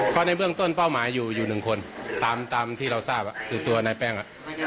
เพราะในเบื้องต้นเป้าหมายอยู่อยู่หนึ่งคนตามที่เราทราบคือตัวนายแป้ง